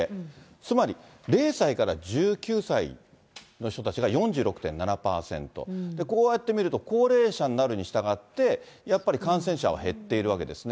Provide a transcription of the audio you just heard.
つまり０歳から１９歳の人たちが４６．７％、こうやって見ると高齢者になるにしたがって、やっぱり感染者は減っているわけですね。